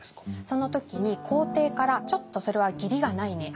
その時に皇帝から「ちょっとそれは義理がないね」